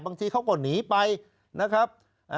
บางทีเขาก็หนีไปนะครับ